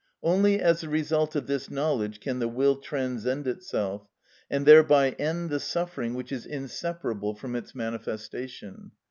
Only as the result of this knowledge can the will transcend itself, and thereby end the suffering which is inseparable from its manifestation.